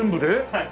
はい。